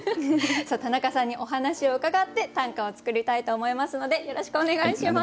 田中さんにお話を伺って短歌を作りたいと思いますのでよろしくお願いします。